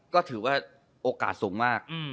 ก็ถือว่าโอกาสสูงมาก